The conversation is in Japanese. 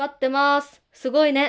すごいね。